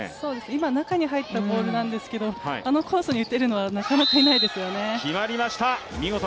今、中に入ってボールなんですけど、あのコースに打てるのは、なかなかいないですよね。